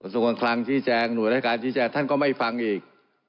ส่วนการคลังชี้แจงหน่วยรายการชี้แจงท่านก็ไม่ฟังอีก